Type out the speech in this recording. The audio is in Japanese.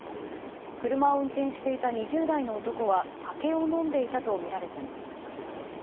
車を運転していた２０代の男は酒を飲んでいたとみられています。